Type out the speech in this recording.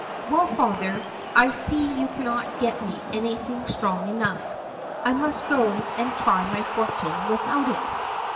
"Well, father, I see you cannot get me anything strong enough. I must go and try my fortune without it."